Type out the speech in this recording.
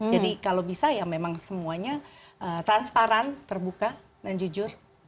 jadi kalau bisa ya memang semuanya transparan terbuka dan jujur